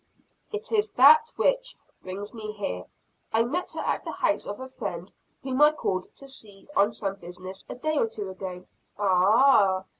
"It is that which brings me here. I met her at the house of a friend whom I called to see on some business a day or two ago." "Ah!"